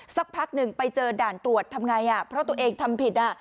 สักพักหนึ่งไปเจอด่านตรวจทำไงอ่ะเพราะตัวเองทำผิดอ่ะ